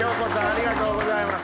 ありがとうございます。